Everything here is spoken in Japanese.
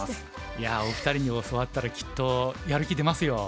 いやお二人に教わったらきっとやる気出ますよ。